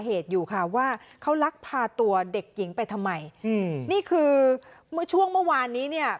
เหตุอยู่ค่ะว่าเขาลักพาตัวเด็กหญิงไปทำไมอืมนี่คือเมื่อช่วงเมื่อวานนี้เนี่ย